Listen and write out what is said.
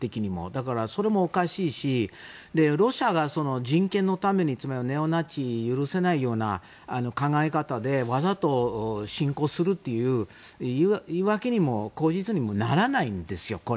だから、それもおかしいしロシアが人権のためにネオナチ許せないという考え方でわざと侵攻するという言い訳にもならないんですよね。